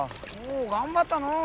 お頑張ったのう。